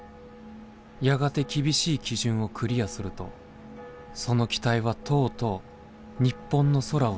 やがて厳しい基準をクリアするとその機体はとうとう日本の空を飛び始めたのだ。